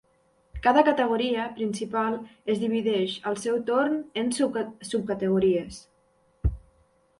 Cada categoria principal es divideix, al seu torn, en subcategories.